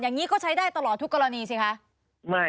อย่างนี้ก็ใช้ได้ตลอดทุกกรณีสิคะ